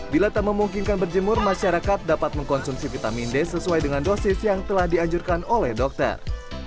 bila tak memungkinkan berjemur masyarakat dapat mengkonsumsi vitamin d sesuai dengan dosis yang telah dianjurkan oleh dokter